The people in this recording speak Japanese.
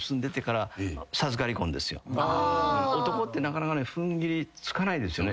男ってなかなか踏ん切りつかないですよね。